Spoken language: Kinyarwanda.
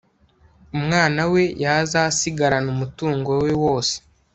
umwana we yazasigarana umutungo we wose